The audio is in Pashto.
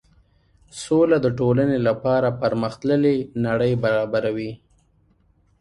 سوله د ټولنې لپاره پرمخ تللې نړۍ برابروي.